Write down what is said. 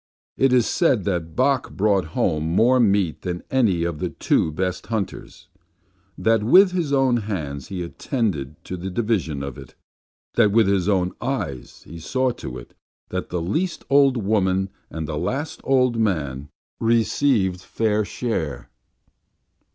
It is said that Bok brought home more meat than any of the two best hunters, that with his own hands he attended to the division of it, that with his own eyes he saw to it that the least old woman and the last old man received fair share."